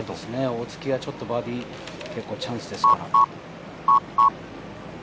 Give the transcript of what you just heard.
大槻はちょっとバーディーチャンスですから。